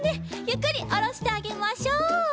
ゆっくりおろしてあげましょう。